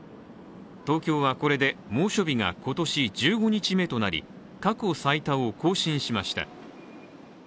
東京はこれで猛暑日が今年１５日目となり過去最多を更新しました。